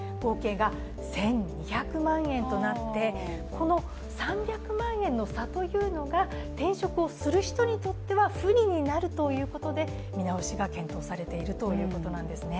この３００万円の差というのが転職をする人にとっては不利になるということで見直しが検討されているということなんですね。